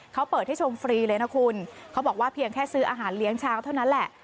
เขาเปิดให้ชมฟรีเลยนะคุณเขาบอกว่าเพียงแค่ซื้ออาหารเลี้ยงเช้าเท่านั้นแหละ